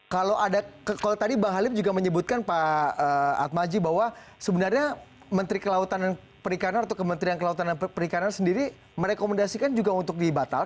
kalau tadi pak halim juga menyebutkan pak atmaji bahwa sebenarnya menteri kelautanan perikanan atau kementerian kelautanan perikanan sendiri merekomendasikan juga untuk dibatasi